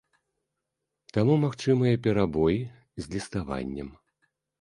Таму магчымыя перабой з ліставаннем.